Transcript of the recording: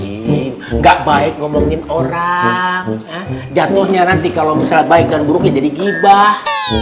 enggak baik ngomongin orang jatuhnya nanti kalau misal baik dan buruknya jadi gibah